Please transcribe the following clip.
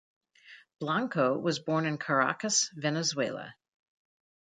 Blanco was born in Caracas, Venezuela.